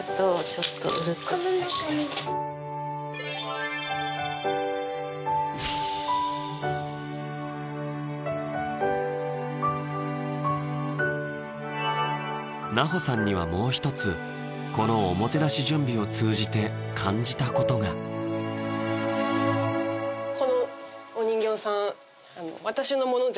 ちょっとうるっと来ちゃった奈穂さんにはもう一つこのおもてなし準備を通じて感じたことがこのお人形さん